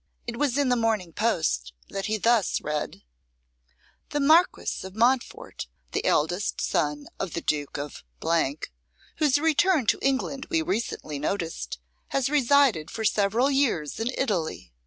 It was in the 'Morning Post' that he thus read: 'The Marquis of Montfort, the eldest son of the Duke of , whose return to England we recently noticed, has resided for several years in Italy.